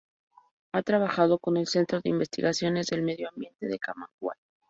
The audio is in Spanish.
Ha trabajado con el Centro de Investigaciones del Medio Ambiente de Camagüey.